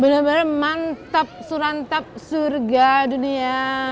benar benar mantap surantap surga dunia